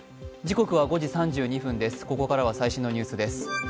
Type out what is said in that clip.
ここからは最新のニュースです。